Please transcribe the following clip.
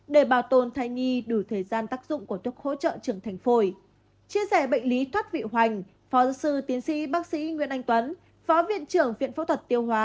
để bảo tồn thai nghi đủ thời gian tác dụng của thuốc hỗ trợ trưởng thành phổi